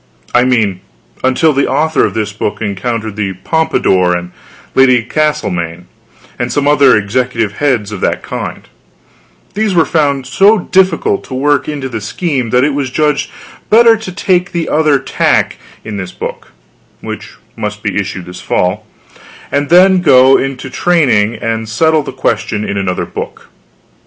I mean, until the author of this book encountered the Pompadour, and Lady Castlemaine, and some other executive heads of that kind; these were found so difficult to work into the scheme, that it was judged better to take the other tack in this book (which must be issued this fall), and then go into training and settle the question in another book.